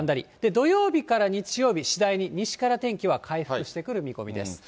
土曜日から日曜日、次第に西から天気は回復してくる見込みです。